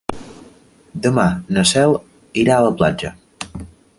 Demà na Cel irà a la platja.